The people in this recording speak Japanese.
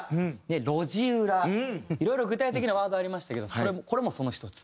いろいろ具体的なワードありましたけどこれもその１つ。